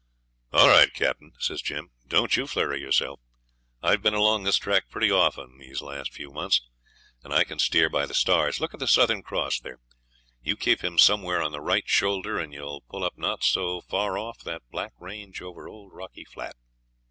'All right, Captain,' says Jim; 'don't you flurry yourself. I've been along this track pretty often this last few months, and I can steer by the stars. Look at the Southern Cross there; you keep him somewhere on the right shoulder, and you'll pull up not so very far off that black range above old Rocky Flat.'